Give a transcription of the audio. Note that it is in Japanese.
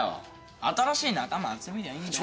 新しい仲間集めりゃいいんだよ。